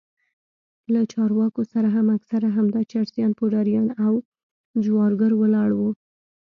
له چارواکو سره هم اکثره همدا چرسيان پوډريان او جوارگر ولاړ وو.